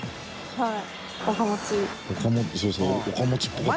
はい。